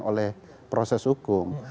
oleh proses hukum